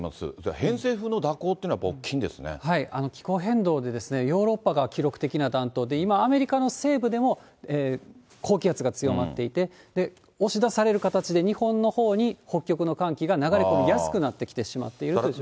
偏西風の蛇行というのが、気候変動で、ヨーロッパが記録的な暖冬で、今、アメリカの西部でも高気圧が強まっていて、押し出される形で、日本のほうに北極の寒気が流れ込みやすくなってしまっているという状況です。